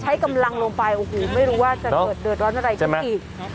ใช้กำลังลงไปโอ้โหไม่รู้ว่าจะเกิดเดือดร้อนอะไรขึ้นอีก